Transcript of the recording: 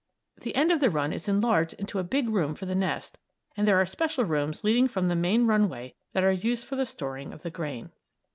The end of the run is enlarged into a big room for the nest, and there are special rooms leading from the main runway that are used for the storing of the grain.